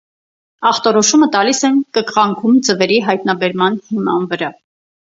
Աշխտորոշումը տալիս են կղկղանքում ձվերի հայտնաբերման հիման վրա։